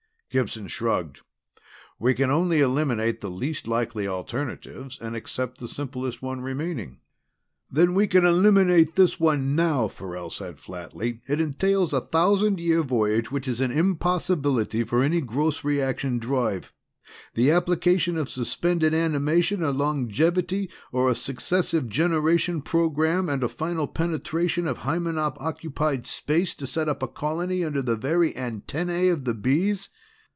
Gibson shrugged. "We can only eliminate the least likely alternatives and accept the simplest one remaining." "Then we can eliminate this one now," Farrell said flatly. "It entails a thousand year voyage, which is an impossibility for any gross reaction drive; the application of suspended animation or longevity or a successive generation program, and a final penetration of Hymenop occupied space to set up a colony under the very antennae of the Bees.